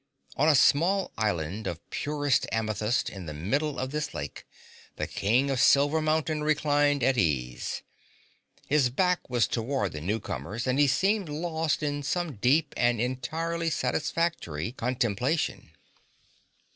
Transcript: On a small island of purest amethyst in the middle of this lake the King of the Silver Mountain reclined at ease. His back was toward the newcomers and he seemed lost in some deep and entirely satisfactory contemplation.